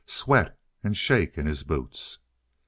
sweat and shake in his boots."